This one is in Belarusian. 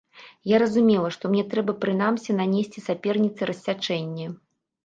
Я разумела, што мне трэба прынамсі нанесці саперніцы рассячэнне.